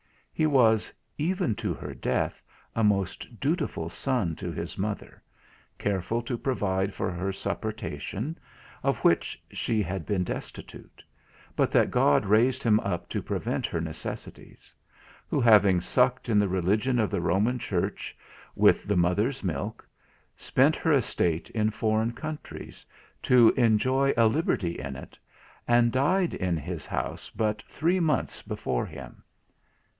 He was, even to her death, a most dutiful son to his mother, careful to provide for her supportation, of which she had been destitute, but that God raised him up to prevent her necessities; who having sucked in the religion of the Roman Church with the mother's milk, spent her estate in foreign countries, to enjoy a liberty in it, and died in his house but three months before him.